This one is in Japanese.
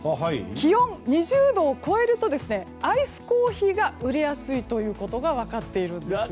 気温２０度を超えるとアイスコーヒーが売れやすいということが分かっているんです。